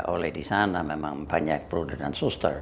oleh di sana memang banyak brother dan sister